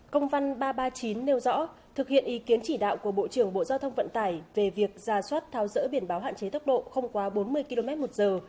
công văn ba trăm ba mươi chín nêu rõ thực hiện ý kiến chỉ đạo của bộ trưởng bộ giao thông vận tải về việc ra soát tháo dỡ biển báo hạn chế tốc độ không quá bốn mươi km một giờ